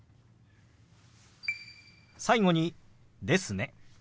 最後に「ですね」。